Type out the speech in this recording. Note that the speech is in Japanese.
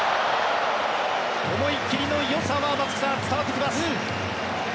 思い切りのよさは松木さん、伝わってきます。